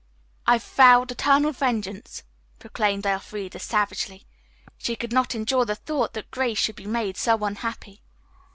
"I've vowed eternal vengeance," proclaimed Elfreda savagely. She could not endure the thought that Grace should be made so unhappy.